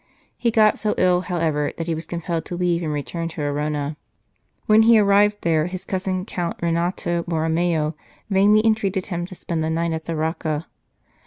He got so ill, however, that he was compelled to leave and return to Arona. When he arrived there, his cousin, Count Renato Bor romeo, vainly entreated him to spend the night at the Rocca.